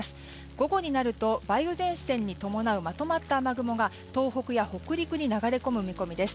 午後になると梅雨前線に伴うまとまった雨雲が、東北や北陸に流れ込む見込みです。